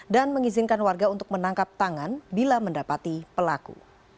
dan mengizinkan warga untuk menangkap tangan bila mendapati pelaku